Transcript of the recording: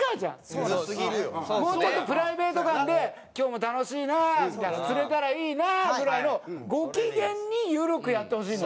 もうちょっとプライベート感で「今日も楽しいな」みたいな「釣れたらいいな」ぐらいのご機嫌に緩くやってほしいの。